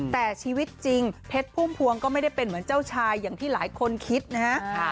แต่ชีวิตจริงเพชรพุ่มพวงก็ไม่ได้เป็นเหมือนเจ้าชายอย่างที่หลายคนคิดนะฮะ